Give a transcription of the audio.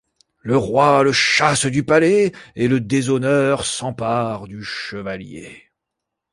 Le roi le chasse du palais et le déshonneur s’empare du chevalier.